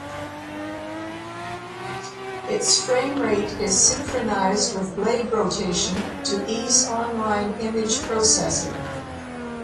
Its frame rate is synchronized with blade rotation to ease online image processing.